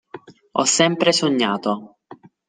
Ho sempre sognato.